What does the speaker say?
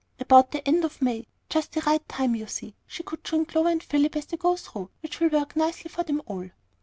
"About the end of May, just the right time, you see. She could join Clover and Philip as they go through, which will work nicely for them all."